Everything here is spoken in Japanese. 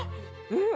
うん！